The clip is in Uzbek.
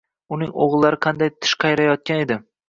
Uning o‘g‘illari qanday tish qayrayotgan edi.